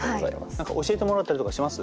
何か教えてもらったりとかします？